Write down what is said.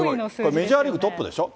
メジャーリーグトップでしょ？